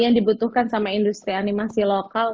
yang dibutuhkan sama industri animasi lokal